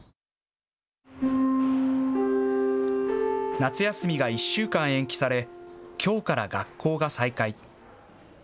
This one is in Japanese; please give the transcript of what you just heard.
夏休みが１週間延期されきょうから学校が再開。